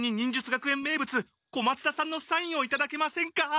小松田さんのサインをいただけませんか？